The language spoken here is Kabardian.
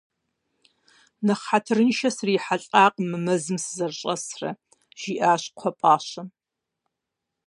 - Нэхъ хьэтырыншэ срихьэлӏакъым мы мэзым сызэрыщӏэсрэ, - жиӏащ кхъуэпӏащэм.